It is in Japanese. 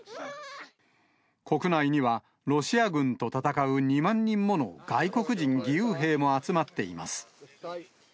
国内にはロシア軍と戦う２万人もの外国人義勇兵も集まっています。